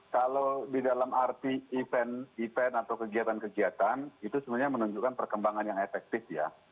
kalau di dalam arti event event atau kegiatan kegiatan itu sebenarnya menunjukkan perkembangan yang efektif ya